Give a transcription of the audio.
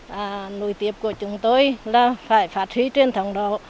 vì nội tiệp của chúng tôi là phải phát huy truyền thống đó